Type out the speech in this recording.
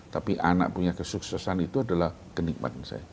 tapi anak punya kesuksesan itu adalah kenikmatan saya